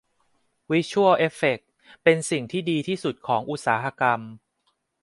วิชวล เอฟเฟคเป็นสิ่งที่ดีที่สุดของอุตสาหกรรม